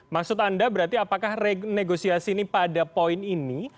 maksud anda berarti apakah renegosiasi ini pada poin ini